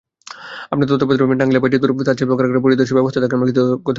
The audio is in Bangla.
আপনার তত্ত্বাবধানে টাঙ্গাইলের বাজিতপুর তাঁতশিল্প কারখানা পরিদর্শনের ব্যবস্থা করলে আমরা কৃতজ্ঞ থাকব।